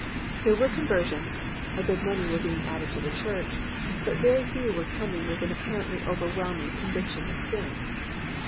There were conversions, a good many were being added to the church, but very few were coming with an apparently overwhelming conviction of sin.